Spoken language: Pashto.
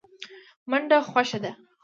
منډه خوښه ده.